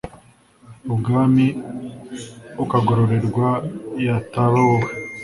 ibwami ukagororerwa yataba wowe